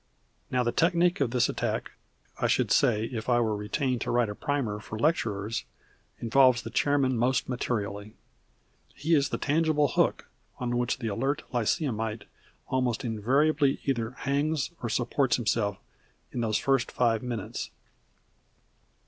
Now the technic of this attack, I should say if I were retained to write a Primer for Lecturers, involves the chairman most materially. He is the tangible hook on which the alert lyceumite almost invariably either hangs or supports himself in those first five minutes.